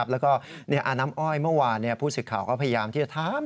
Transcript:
แล้วก็อาน้ำอ้อยเมื่อวานผู้สิทธิ์ข่าวก็พยายามที่จะถาม